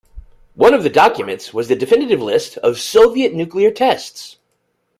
One of the documents was the definitive list of Soviet nuclear tests.